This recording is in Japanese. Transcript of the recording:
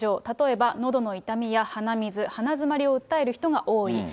例えばのどの痛みや鼻水、鼻詰まりを訴える人が多い。